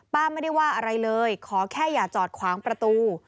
ป้าไม่ได้ว่าอะไรเลยขอแค่อย่าจอดขวางประตู